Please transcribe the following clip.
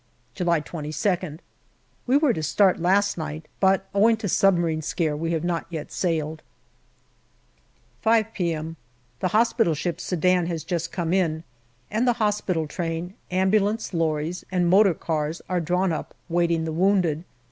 JULY 169 July 22nd. We were to start last night, but owing to submarine scare we have not yet sailed. 5 p.m. The hospital ship Sudan has just come in, and the hospital train, ambulance lorries, and motor cars are drawn up waiting the wounded.